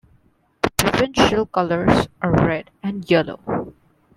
The provincial colors are red and yellow.